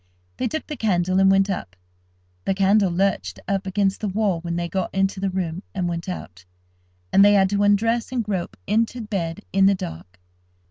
They took the candle, and went up. The candle lurched up against the wall when they got into the room, and went out, and they had to undress and grope into bed in the dark.